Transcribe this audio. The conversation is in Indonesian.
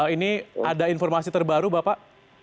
ini ada informasi terbaru bapak